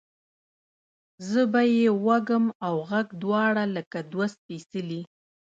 زه به یې وږم اوږغ دواړه لکه دوه سپیڅلي،